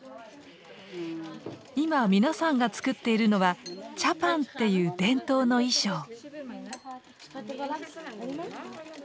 今皆さんが作っているのは「チャパン」っていう伝統の衣装。